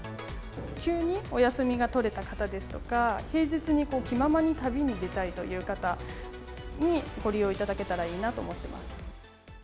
急にお休みが取れた方ですとか、平日に気ままに旅に出たいという方にご利用いただけたらいいなと思ってます。